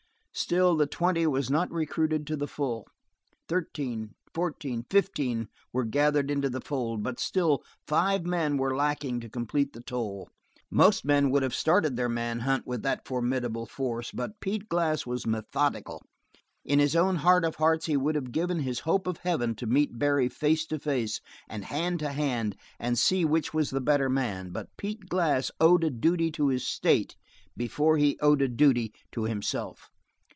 Still the twenty was not recruited to the full. Thirteen, fourteen, fifteen were gathered into the fold, but still five men were lacking to complete the toll. Most men would have started their man hunt with that formidable force, but Pete Glass was methodical. In his own heart of hearts he would have given his hope of heaven to meet Barry face to face and hand to hand, and see which was the better man, but Pete Glass owed a duty to his state before he owed a duty to himself.